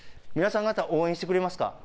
皆さん方、応援してくれますか？